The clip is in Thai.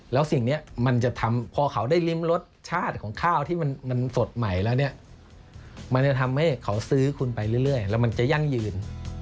แล้วสิ่งนี้มันจะทำพอเขาได้ริมรสชาติของข้าวที่มันสดใหม่แล้วเนี่ยมันจะทำให้เขาซื้อคุณไปเรื่อยแล้วมันจะยั่งยืน